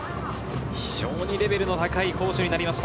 非常にレベルの高い攻守になりました。